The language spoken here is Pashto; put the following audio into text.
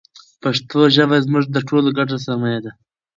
پښتو ژبه زموږ د ټولو ګډه سرمایه ده.